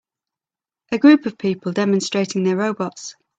A group of people demonstrating their robots.